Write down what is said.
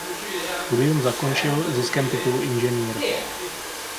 Studium zakončil ziskem titulu inženýr.